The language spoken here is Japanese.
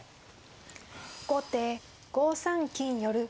後手５三金寄。